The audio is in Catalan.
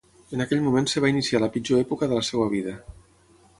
En aquell moment es va iniciar la pitjor època de la seva vida.